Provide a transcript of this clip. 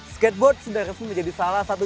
skateboard sudah resmi menjadi salah satu